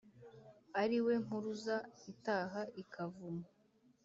ari we mpuruza itaha i kavumu